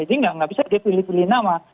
jadi tidak bisa dipilih pilih nama